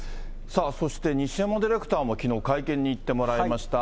さあそして、西山ディレクターも会見に行ってもらいました。